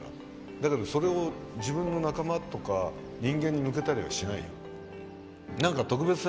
だけどそれを自分の仲間とか人間に向けたりはしないよ。